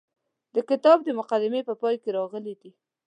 د کتاب د مقدمې په پای کې راغلي دي.